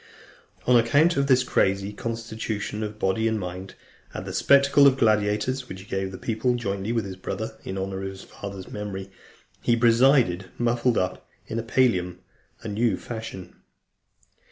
On account of this crazy constitution of body and mind, at the spectacle of gladiators, which he gave the people, jointly with his brother, in honour of his father's memory, he presided, muffled up in a pallium a new fashion.